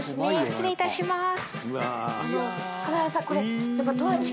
失礼いたします。